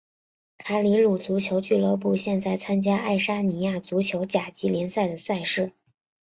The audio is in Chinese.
卡里鲁足球俱乐部现在参加爱沙尼亚足球甲级联赛的赛事。